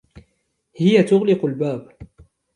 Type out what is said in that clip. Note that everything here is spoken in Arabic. هي تغلق الباب.